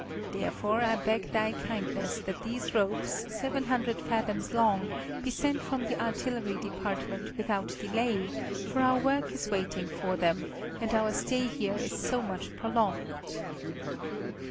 Therefore I beg thy kindness that these ropes, seven hundred fathoms long, be sent from the artillery department without delay, for our work is waiting for them, and our stay here is so much prolonged."